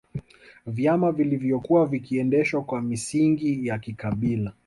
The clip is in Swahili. Vyama vilivyokuwa vikiendeshwa kwa misingi ya kikabila